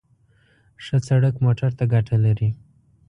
ښه سړک موټر ته ګټه لري.